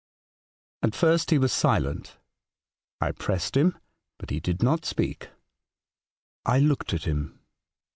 At first he was silent. I pressed him. But he did not speak. I looked at him.